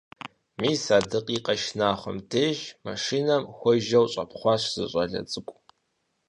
Мис а дакъикъэ шынагъуэм деж машинэм хуэжэу щӀэпхъуащ зы щӀалэ цӀыкӀу.